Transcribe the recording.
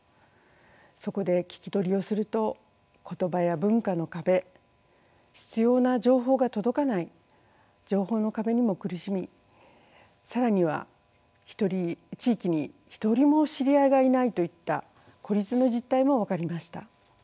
そこで聞き取りをすると言葉や文化の壁必要な情報が届かない情報の壁にも苦しみ更には地域に一人も知り合いがいないといった孤立の実態も分かりました。